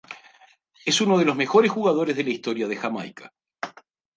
Es uno de los mejores jugadores de la historia de Jamaica.